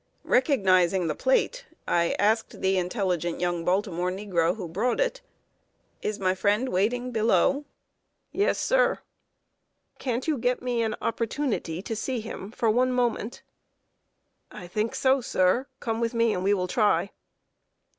Recognizing the plate, I asked the intelligent young Baltimore negro who brought it: "Is my friend waiting below?" "Yes, sir." "Can't you get me an opportunity to see him for one moment?" "I think so, sir. Come with me and we will try."